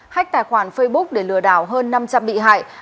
hách tài khoản facebook để lừa đảo hơn năm trăm linh bị hại